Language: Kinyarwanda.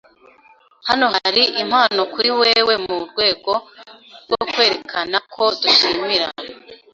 Hano hari impano kuri wewe mu rwego rwo kwerekana ko dushimira.